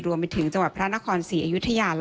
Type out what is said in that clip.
รวมไปถึงจังหวัดพระนครศรีอยุธยา